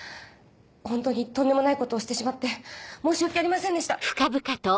ホントにとんでもないことをしてしまって申し訳ありませんでした。